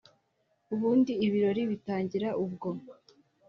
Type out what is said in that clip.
ubundi ibirori bitangira ubwo